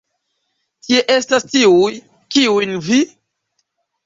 Tie estas tiuj, kiujn vi?